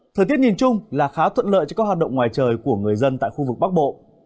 thời tiết nhìn chung là khá thuận lợi cho các hoạt động ngoài trời của người dân tại khu vực bắc bộ